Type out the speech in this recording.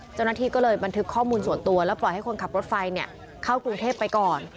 เจ้าหน้าที่ก็เลยบันทึกข้อมูลส่วนตัวแล้วปล่อยให้คนขับรถไฟเข้ากรุงเทพไปก่อน